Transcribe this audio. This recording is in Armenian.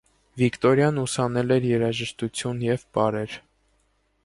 Վիկտորյան ուսանել էր երաժշտություն և պարեր։